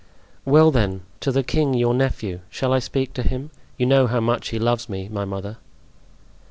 "Well, then, to the king, your nephew. Shall I speak to him? You know how much he loves me, my mother.